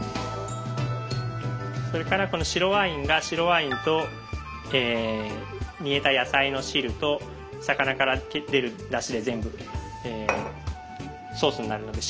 それからこの白ワインが白ワインと煮えた野菜の汁と魚から出るだしで全部ソースになるので白ワインたっぷりと。